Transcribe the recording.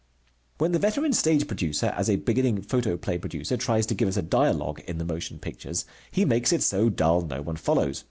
When the veteran stage producer as a beginning photoplay producer tries to give us a dialogue in the motion pictures, he makes it so dull no one follows.